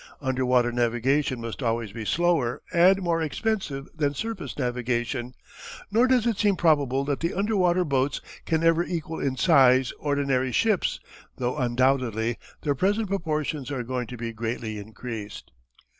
Underwater navigation must always be slower and more expensive than surface navigation, nor does it seem probable that the underwater boats can ever equal in size ordinary ships, though undoubtedly their present proportions are going to be greatly increased.